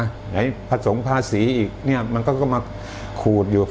ไม่ได้ไปเล่นการพนันไม่ได้ไปเลี้ยงผู้หญิง